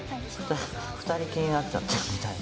２人気になっちゃってみたいな。